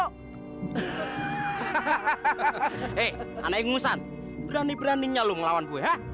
hei anak yang ngusan berani beraninya lo ngelawan gue